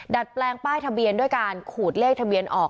ดัดแปลงป้ายทะเบียนด้วยการขูดเลขทะเบียนออก